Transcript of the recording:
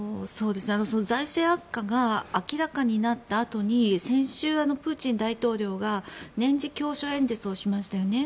財政悪化が明らかになったあとに先週、プーチン大統領が年次教書演説をしましたよね。